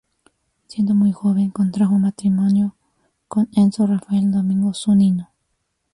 Siendo muy joven contrajo matrimonio con Enzo Rafael Domingo Zunino.